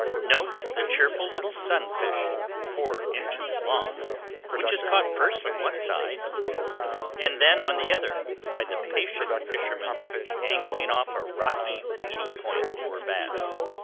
Note the cheerful little sunfish, four inches long, which is caught first on one side of the boat and then on the other, by the patient fisherman angling off a rocky, weedy point for bass.